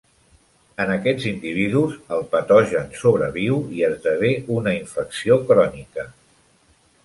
En aquests individus el patogen sobreviu i esdevé una infecció crònica.